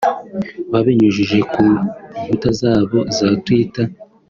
Babinyujije ku nkuta zabo za Twitter